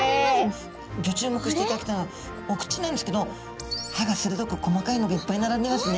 ギョ注目していただきたいのはお口なんですけど歯がするどく細かいのがいっぱい並んでますね。